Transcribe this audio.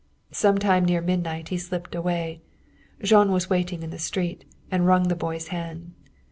Sometime near midnight he slipped away. Jean was waiting in the street, and wrung the boy's hand.